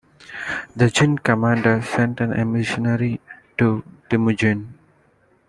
The Jin commander sent an emissary to Timujin.